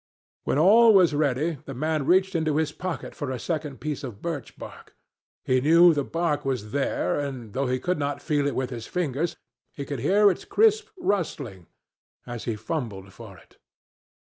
When all was ready, the man reached in his pocket for a second piece of birch bark. He knew the bark was there, and, though he could not feel it with his fingers, he could hear its crisp rustling as he fumbled for it.